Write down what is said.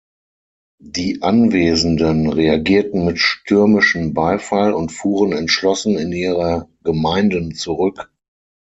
Die Anwesenden reagierten mit stürmischen Beifall und fuhren entschlossen in ihre Gemeinden zurück.